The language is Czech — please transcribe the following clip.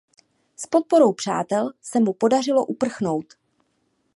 S podporou přátel se mu podařilo uprchnout.